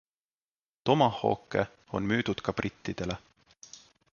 Tomahawke on müüdud ka brittidele.